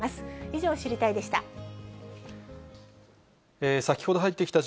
以上、知りたいッ！でした。